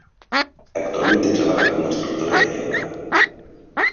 Actualmente trabaja como instructora de yoga.